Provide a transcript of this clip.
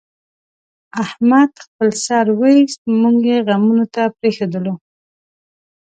احمد خپل سر وایست، موږ یې غمونو ته پرېښودلو.